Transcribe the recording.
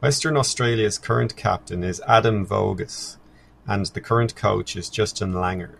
Western Australia's current captain is Adam Voges, and the current coach is Justin Langer.